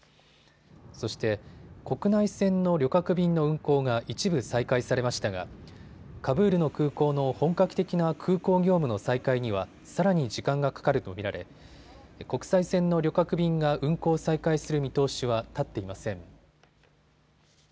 そして国内線の旅客便の運航が一部再開されましたがカブールの空港の本格的な空港業務の再開にはさらに時間がかかると見られ国際線の旅客便が運航を再開する見通しは立っていません。